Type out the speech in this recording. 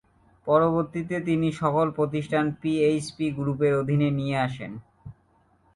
পরবর্তীতে তিনি সকল প্রতিষ্ঠান পিএইচপি গ্রুপের অধীনে নিয়ে আসেন।